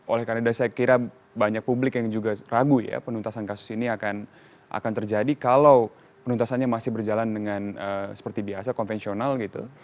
oleh karena saya kira banyak publik yang juga ragu ya penuntasan kasus ini akan terjadi kalau penuntasannya masih berjalan dengan seperti biasa konvensional gitu